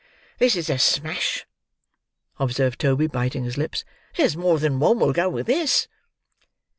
"This is a smash," observed Toby, biting his lips. "There's more than one will go with this."